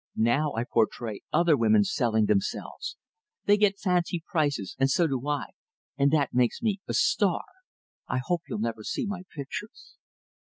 Now I portray other women selling themselves. They get fancy prices, and so do I, and that makes me a 'star.' I hope you'll never see my pictures."